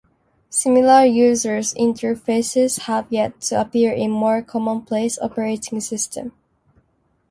Similar user Interfaces have yet to appear in more commonplace operating systems.